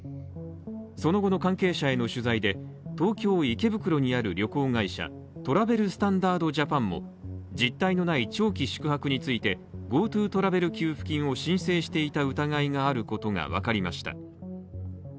その後の関係者への取材で、東京・池袋にある旅行会社トラベル・スタンダード・ジャパンも実体のない長期宿泊についてＧｏＴｏトラベル給付金を申請していた疑いがあることがわかりました。